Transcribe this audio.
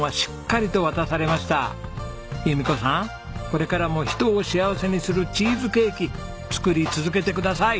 これからも人を幸せにするチーズケーキ作り続けてください。